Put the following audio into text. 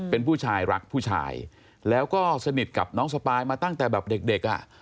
เป็นผู้ชายรักผู้ชายแล้วก็สนิทกับน้องสปายมาตั้งแต่แบบเด็กอ่ะ